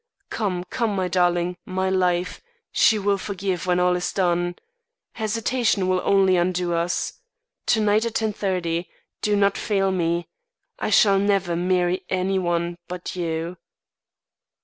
Come, come, my darling, my life. She will forgive when all is done. Hesitation will only undo us. To night at 10 30. Do not fail me. I shall never marry any one but you."